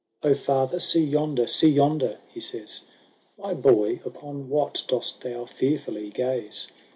" O father ! see yonder, see yonder !" he says. "My boy, upon what dost thou fearfully gaze?"